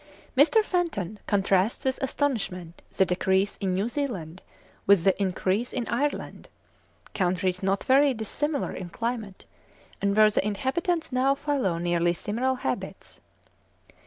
Mr. Fenton contrasts with astonishment the decrease in New Zealand with the increase in Ireland; countries not very dissimilar in climate, and where the inhabitants now follow nearly similar habits.